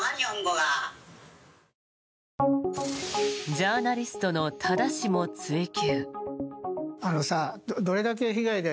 ジャーナリストの多田氏も追及。